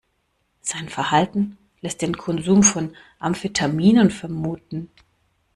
Sein Verhalten lässt den Konsum von Amphetaminen vermuten.